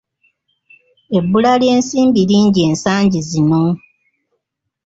Ebbula ly’ensimbi lingi ensangi zino!